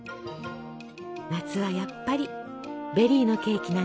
夏はやっぱりベリーのケーキなんですね！